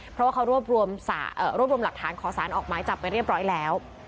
เพราะว่าเขารวบรวมหลักฐานขอสารออกหมายจับไปเรียบร้อยแล้ว